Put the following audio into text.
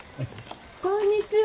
こんにちは！